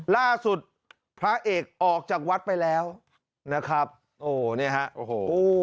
ล่าสุดพระเอกออกจากวัดไปแล้วนะครับโอ้เนี่ยฮะโอ้โห